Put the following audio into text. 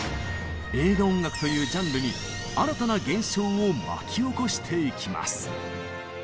映画音楽というジャンルに新たな現象を巻き起こしていきます。